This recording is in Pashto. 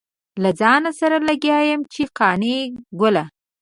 له ځان سره لګيا يم چې قانع ګله.